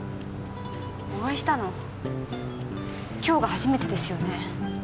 お会いしたの今日が初めてですよね？